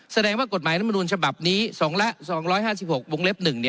แสดงว่ากฎหมายรัฐมนุนฉบับนี้๒๕๖วงเล็บ๑